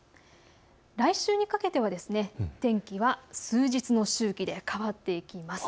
来週にかけては天気は数日の周期で変わっていきます。